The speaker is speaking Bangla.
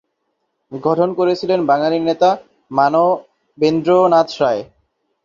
গঠন করেছিলেন বাঙালি নেতা মানবেন্দ্র নাথ রায়।